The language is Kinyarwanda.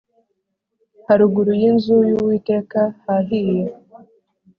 haruguru y inzu y Uwiteka hahiye